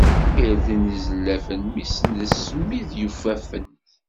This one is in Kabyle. Irden izellafen, mmi d ssmid yufafen.